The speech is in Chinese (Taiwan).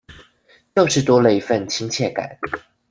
就是多了一分親切感